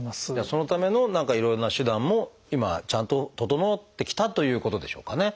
そのための何かいろいろな手段も今はちゃんと整ってきたということでしょうかね。